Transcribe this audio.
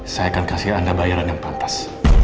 saya akan kasih anda bayaran yang pantas